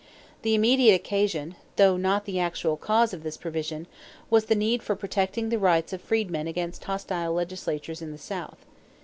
The immediate occasion, though not the actual cause of this provision, was the need for protecting the rights of freedmen against hostile legislatures in the South.